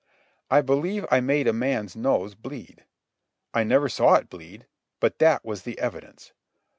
I believe I made a man's nose bleed. I never saw it bleed, but that was the evidence.